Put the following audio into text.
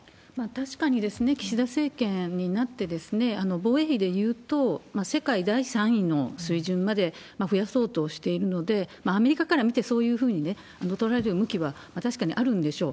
確かに岸田政権になって、防衛費でいうと、世界第３位の水準まで増やそうとしているので、アメリカから見てそういうふうに捉える向きは確かにあるんでしょう。